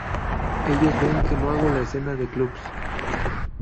Ellos ven que no hago la escena de clubs.